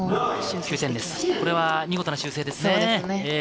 これは見事な修正ですね。